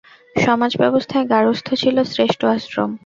সমাজব্যবস্থায় গার্হস্থ্য ছিল শ্রেষ্ঠ আশ্রম।